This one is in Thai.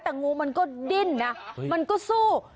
แต่งูมันก็ดิ้นนะมันก็สู้